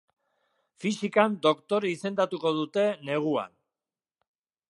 Fisikan doktore izendatuko dute neguan.